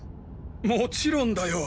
もちろんだよ！